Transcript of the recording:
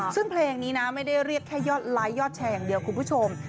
ซึ่งเพลงนี้นะไม่ได้เรียกแค่ยอดไลค์ยอดแชร์อย่างเดียวคุณผู้ชม